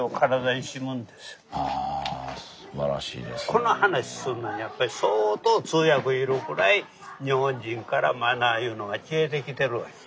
この話しすんのにやっぱし相当通訳いるくらい日本人からマナーいうのが消えてきてるわけ。